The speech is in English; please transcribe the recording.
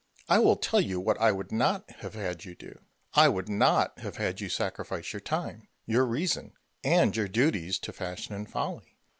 I will tell you what I would not have had you do. I would not have had you sacrifice your time, your reason, and your duties, to fashion and folly.